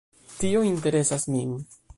Tio interesas min.